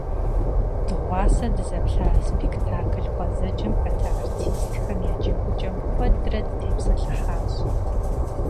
Дыгъуасэ дызэплъа спектакль гъуэзэджэм хэта артистхэм я джэгукӀэм куэдрэ дытепсэлъыхьащ.